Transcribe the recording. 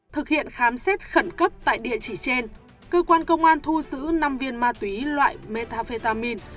thực hiện khám xét khẩn cấp tại địa chỉ trên cơ quan công an thu giữ năm viên ma túy loại metafetamin